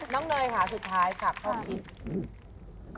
น้องเนยค่ะสุดท้ายค่ะขอบคุณอีก